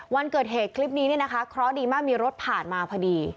วันเกิดเหตุคลิปนี้เนี่ยนะคะเคราะห์ดีมากมีรถผ่านมาพอดี